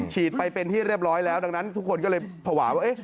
ฉีดไปเป็นที่เรียบร้อยแล้วดังนั้นทุกคนก็เลยภาวะว่า